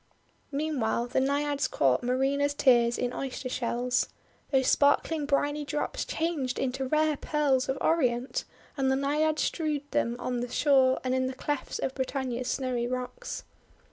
Meanwhile, the Naiads caught Marina's tears in Oyster shells. Those sparkling briny drops changed into rare pearls of Orient, and the Naiads strewed them on the shore and in the clefts of Britannia's snowy rocks.